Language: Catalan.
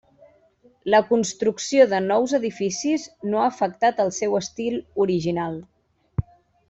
La construcció de nous edificis no ha afectat el seu estil original.